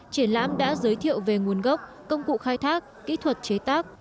triển lãm đã giới thiệu về nguồn gốc công cụ khai thác kỹ thuật chế tác